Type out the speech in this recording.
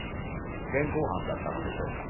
現行犯だったのでしょうか？